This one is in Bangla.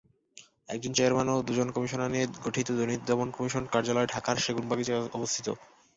একজন চেয়ারম্যান ও দুজন কমিশনার নিয়ে গঠিত দুর্নীতি দমন কমিশন কার্যালয় ঢাকার সেগুনবাগিচায় অবস্থিত।